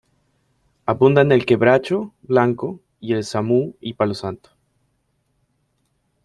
Abundan el quebracho blanco, el samu’u y palo santo.